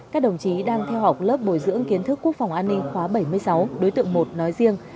các đồng chí đang theo học lớp bồi dưỡng kiến thức quốc phòng an ninh khóa bảy mươi sáu đối tượng một nói riêng